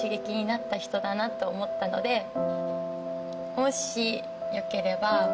もしよければ。